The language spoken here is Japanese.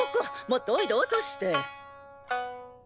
もっとおいど落として！